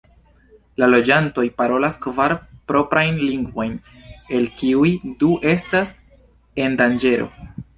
La loĝantoj parolas kvar proprajn lingvojn, el kiuj du estas en danĝero.